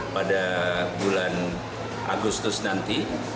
pada bulan agustus nanti